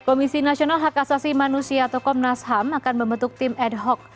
komisi nasional hak asasi manusia atau komnas ham akan membentuk tim ad hoc